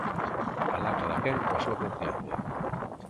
¡Alá cadaquén coa súa conciencia!